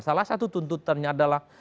salah satu tuntutan nya adalah